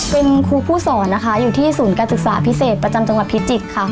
เป็นครูผู้สอนนะคะอยู่ที่ศูนย์การศึกษาพิเศษประจำจังหวัดพิจิตรค่ะ